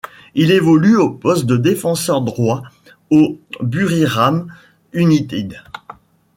Il évolue au poste de défenseur droit au Buriram United.